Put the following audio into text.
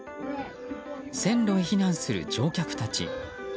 線路へ避難する乗客たち。